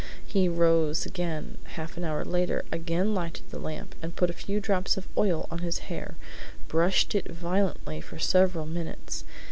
He rose again half an hour later, again lighted the lamp, put a few drops of oil on his hair, and brushed it violently for several minutes.